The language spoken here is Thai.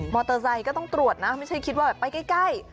เตอร์ไซค์ก็ต้องตรวจนะไม่ใช่คิดว่าแบบไปใกล้